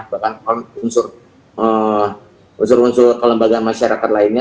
bahkan unsur unsur kelembagaan masyarakat lainnya